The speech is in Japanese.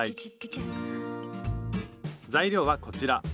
材料はこちら。